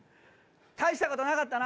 大したことなかったな！